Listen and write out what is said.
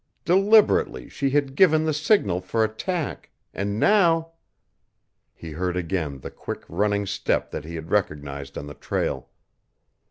Deliberately she had given the signal for attack, and now He heard again the quick, running step that he had recognized on the trail.